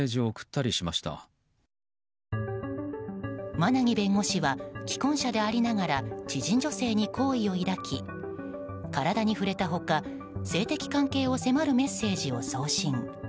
馬奈木弁護士は既婚者でありながら知人女性に好意を抱き体に触れた他性的関係を迫るメッセージを送信。